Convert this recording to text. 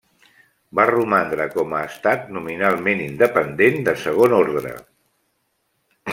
Va romandre com a estat nominalment independent de segon ordre.